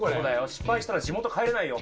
失敗したら地元帰れないよ。